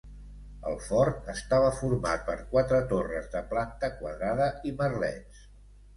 El fort estava format per quatre torres de planta quadrada i merlets.